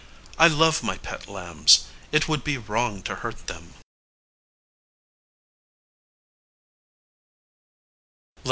I love my pet lambs. It would be wrong to hurt them LESSON XLIII.